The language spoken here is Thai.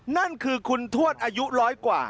นั่นคือคุณทวดอายุร้อยกว่า